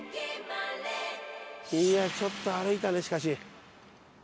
いやあちょっと歩いたねしかし。